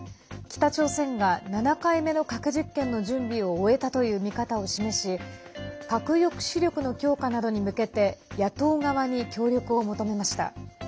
北朝鮮が７回目の核実験の準備を終えたという見方を示し核抑止力の強化などに向けて野党側に協力を求めました。